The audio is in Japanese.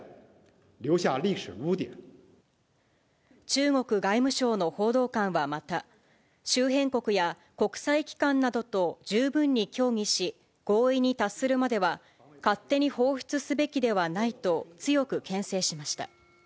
中国外務省の報道官はまた、周辺国や国際機関などと十分に協議し、合意に達するまでは、勝手に放出すべきではないと強くけん制しました。